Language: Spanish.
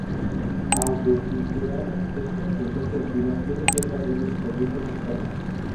Aunque ikebana es una expresión creativa, tiene ciertas reglas que rigen su forma.